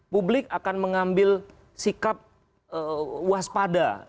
publik akan mengambil sikap waspada